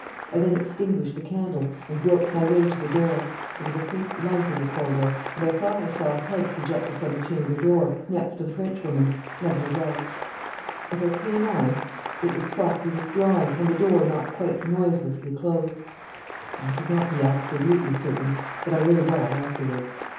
I then extinguished the candle, and groped my way to the door; there was a faint light in the corridor, and I thought I saw a head projected from the chamber door, next to the Frenchwoman's mademoiselle's. As I came on, it was softly withdrawn, and the door not quite noiselessly closed. I could not be absolutely certain, but I learned all afterward.